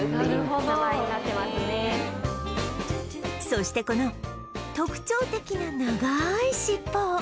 そしてこの特徴的な長い尻尾を